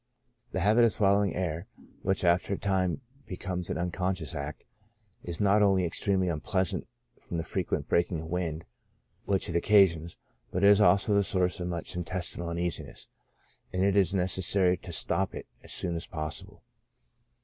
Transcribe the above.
The habit of swallowing air, which after a time becomes an unconscious act, is * A. S. Taylor "On Poisons," ad edit., p. 426, SYMPTOMS. 31 not only extremely unpleasant from the frequent breaking of wind which it occasions, but is also the source of much intestinal uneasiness, and it is necessary to stop it as soon as possible.